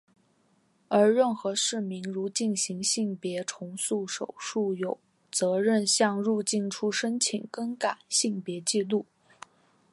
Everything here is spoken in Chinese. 而任何市民如进行性别重塑手术有责任向入境处申请更改性别纪录。